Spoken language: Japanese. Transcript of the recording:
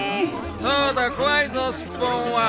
そうだ怖いぞスッポンは。